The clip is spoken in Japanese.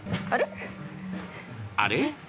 あれ？